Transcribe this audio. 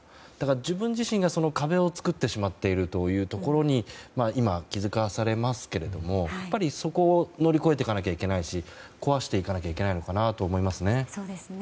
自分自身が壁を作ってしまっているというところに気づかされますけどもそこを乗り越えていかなきゃいけないし壊していかなきゃいけないのかなと思います。